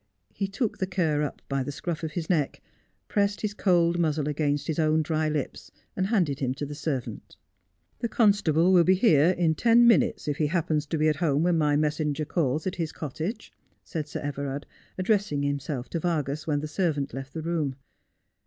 He took the cur up by the scruff of his neck, pressed his cold muzzle against his own dry lips, and handed him to the servant. ' The constable will be here in ten minutes, if he happen to be at home when my messenger calls at his cottage,' said Sir Everard, addressing himself to Vargas when the servant left the room.